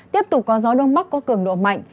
tiếp tục có gió đông bắc có cường độ mạnh